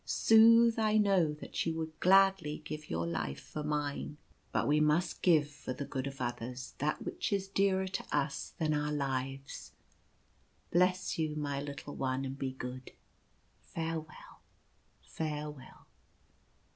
Sooth I know that you would gladly give your life for mine. Ill I .1' i", /.■' The Giant passes. ji But we must give for the good of others that which is dearer to us than our lives. Bless you, my little one, and be good. Farewell ! farewell